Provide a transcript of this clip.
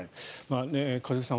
一茂さん